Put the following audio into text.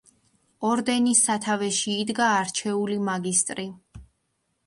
ორდენის სათავეში იდგა არჩეული მაგისტრი.